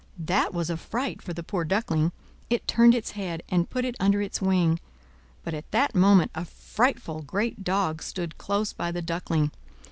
That was a fright for the poor Duckling! It turned its head, and put it under its wing; but at that moment a frightful great dog stood close by the Duckling.